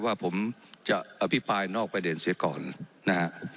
ว่าผมจะอภิปรายนอกประเด็นเสียก่อนนะฮะ